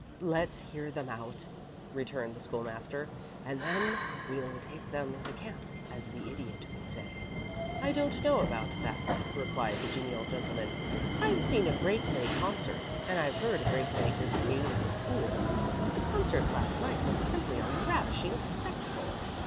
"Let's hear them out," returned the School master, "and then we'll take them into camp, as the Idiot would say." "I don't know about that," replied the genial gentleman. "I've seen a great many concerts, and I've heard a great many good games of pool, but the concert last night was simply a ravishing spectacle.